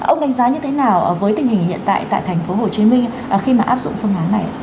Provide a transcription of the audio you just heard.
ông đánh giá như thế nào với tình hình hiện tại tại tp hcm khi mà áp dụng phương án này